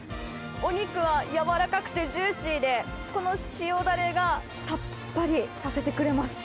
お肉は柔らかくてジューシーで、この塩だれがさっぱりさせてくれます。